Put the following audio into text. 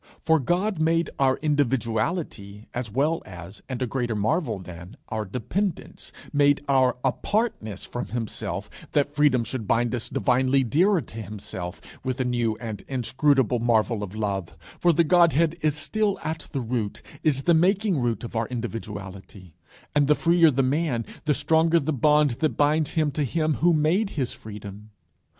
For God made our individuality as well as, and a greater marvel than, our dependence; made our apartness from himself, that freedom should bind us divinely dearer to himself, with a new and inscrutable marvel of love; for the Godhead is still at the root, is the making root of our individuality, and the freer the man, the stronger the bond that binds him to him who made his freedom.